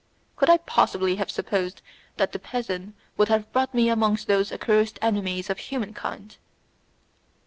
Could I possibly have supposed that the peasant would have brought me amongst those accursed enemies of humankind!